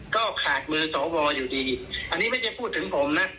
ก็ขาดมือสวอยู่ดีอันนี้ไม่ได้พูดถึงผมนะ